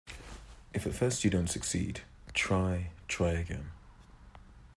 If at first you don't succeed, try, try again.